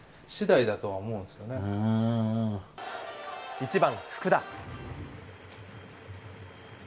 １番、福田。